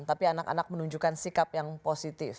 tapi anak anak menunjukkan sikap yang positif